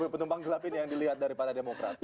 penumpang gelap ini yang dilihat dari partai demokrat